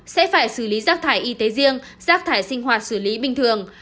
sẽ phải xử lý rác thải y tế riêng rác thải sinh hoạt xử lý bình thường